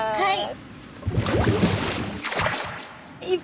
はい。